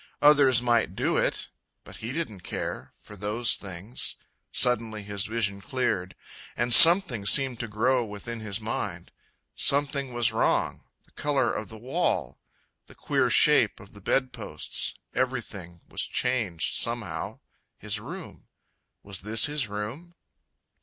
Others might do it... but he didn't care For those things.... Suddenly his vision cleared. And something seemed to grow within his mind.... Something was wrong the color of the wall The queer shape of the bedposts everything Was changed, somehow... his room. Was this his room?